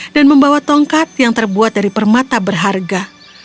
dan membawa tongkat yang terbuat dari permata berharga